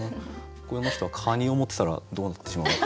この人がカニを持ってたらどうなってしまうっていう。